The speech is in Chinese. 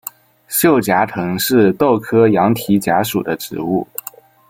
锈荚藤是豆科羊蹄甲属的植物。